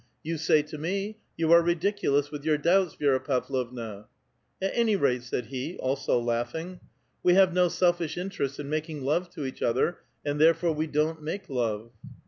You say to me, ' You are ridiculous with your doubts, Vi^ra Pavlovna.' " "At any rate," said he, also laughing, ''we have no selfish interest in making love to each other, and therefore, we don't make love."